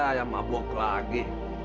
ayah mabuk lagi